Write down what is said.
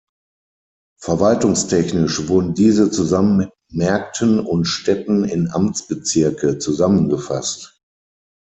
Verwaltungstechnisch wurden diese zusammen mit Märkten und Städten in Amtsbezirke zusammengefasst.